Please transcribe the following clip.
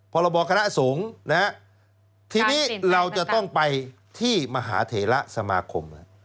พรบคณะสงฆ์นะฮะทีนี้เราจะต้องไปที่มหาเถระสมาคม